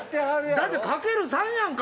だって掛ける３やんか！